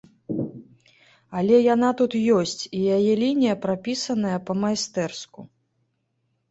Але яна тут ёсць, і яе лінія прапісаная па-майстэрску.